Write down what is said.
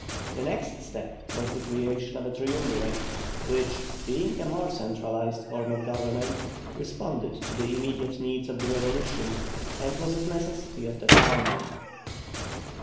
The next step was the creation of a Triumvirate, which, being a more centralised form of government, responded to the immediate needs of the revolution, and was a necessity of the time.